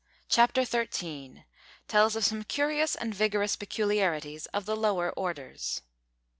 CHAPTER THIRTEEN. TELLS OF SOME CURIOUS AND VIGOROUS PECULIARITIES OF THE LOWER ORDERS.